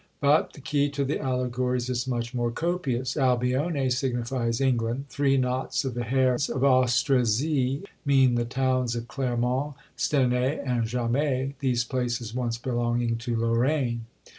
But the key to the allegories is much more copious: Albione signifies England; three knots of the hair of Austrasie mean the towns of Clermont, Stenay, and Jamet, these places once belonging to Lorraine.